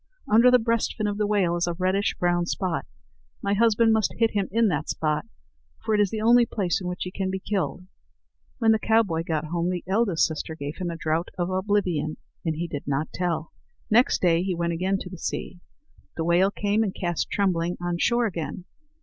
Under the breast fin of the whale is a reddish brown spot. My husband must hit him in that spot, for it is the only place in which he can be killed." When the cowboy got home, the eldest sister gave him a draught of oblivion, and he did not tell. Next day he went again to the sea. The whale came and cast Trembling on shore again.